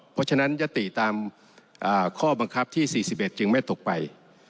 เพราะฉะนั้นยติตามข้อบังคับที่๔๑จึงไม่ตกไป